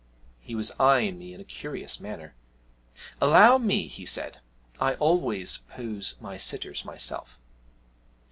He was eyeing me in a curious manner. 'Allow me,' he said; 'I always pose my sitters myself.'